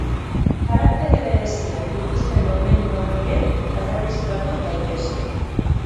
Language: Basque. Karaktere bereziak dituzten domeinuak ere erregistratu daitezke.